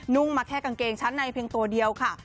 มาแค่กางเกงชั้นในเพียงตัวเดียวค่ะ